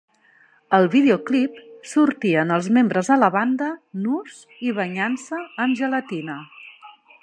Al videoclip sortien els membres de la banda nus i banyant-se amb gelatina.